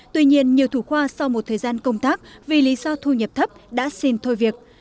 tuy nhiên nhiều thủ khoa sau một thời gian công tác vì lý do thu nhập thấp đã xin thôi việc